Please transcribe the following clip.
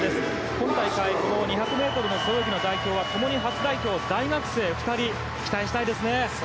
今大会、２００ｍ背泳ぎの代表は共に初代表、大学生２人期待したいですね。